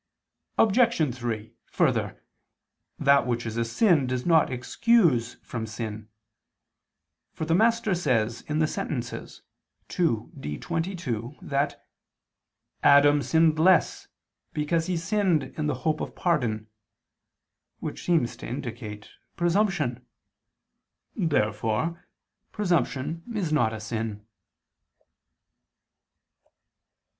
Obj. 3: Further, that which is a sin does not excuse from sin: for the Master says (Sent. ii, D, 22) that "Adam sinned less, because he sinned in the hope of pardon," which seems to indicate presumption. Therefore presumption is not a sin.